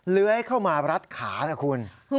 เลื้อยเข้ามารัดขานะคุณ